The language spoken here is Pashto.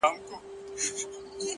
خدای زموږ معبود دی او رسول مو دی رهبر ـ